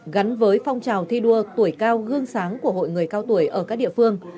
gắn với phong trào thi đua tuổi cao gương sáng của hội người cao tuổi ở các địa phương